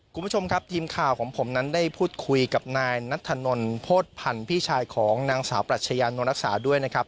คุณผู้ชมครับทีมข่าวของผมนั้นได้พูดคุยกับนายนัทธนลโพธิพันธ์พี่ชายของนางสาวปรัชญานนท์รักษาด้วยนะครับ